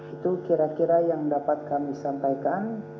itu kira kira yang dapat kami sampaikan